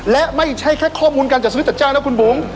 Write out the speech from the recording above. และไม่ใช่แค่ข้อมูลการจัดซื้อจัดจ้างนะคุณบุ๋ม